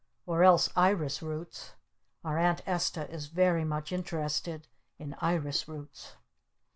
Or else Iris Roots! Our Aunt Esta is very much interested in Iris Roots.